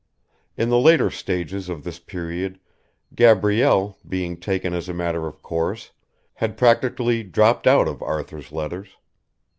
In the later stages of this period Gabrielle, being taken as a matter of course, had practically dropped out of Arthur's letters.